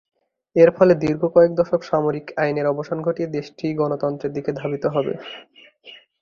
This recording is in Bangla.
এরফলে দীর্ঘ কয়েক দশক সামরিক আইনের অবসান ঘটিয়ে দেশটি গণতন্ত্রের দিকে ধাবিত হবে।